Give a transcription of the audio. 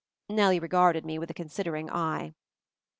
Nellie regarded me with a considering eye.